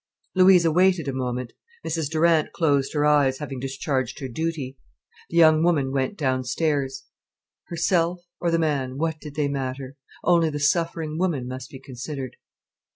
Louisa waited a moment. Mrs Durant closed her eyes, having discharged her duty. The young woman went downstairs. Herself, or the man, what did they matter? Only the suffering woman must be considered.